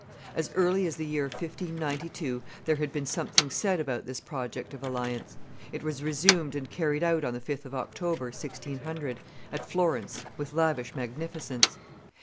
As early as the year 1592 there had been something said about this project of alliance; it was resumed and carried out on the 5th of October, 1600, at Florence with lavish magnificence.